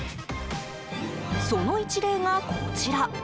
その１例が、こちら。